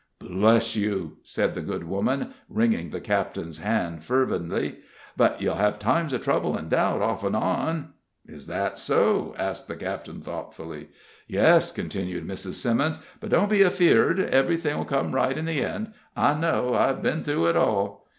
"Bless you!" said the good woman, wringing the captain's hand fervidly. "But you'll hev times of trouble an' doubt, off an' on." "Is that so?" asked the captain, thoughtfully. "Yes," continued Mrs. Simmons; "but don't be afeard; ev'ry thing'll come right in the end. I know I've been through it all."